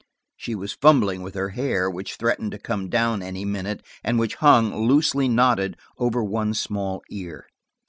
She was fumbling with her hair, which threatened to come down any minute, and which hung, loosely knotted, over one small ear.